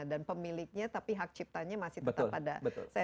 dan pemiliknya tapi hak ciptanya masih tetap ada